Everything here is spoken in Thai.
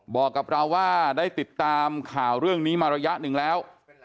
บอกกับเราว่าได้ติดตามข่าวเรื่องนี้มาระยะหนึ่งแล้ว